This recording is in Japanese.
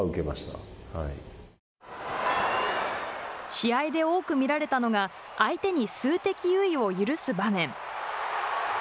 試合で多く見られたのが相手に数的優位を許す場面。